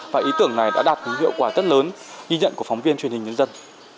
và ý tưởng này đã đạt những hiệu quả rất lớn ghi nhận của phóng viên truyền hình nhân dân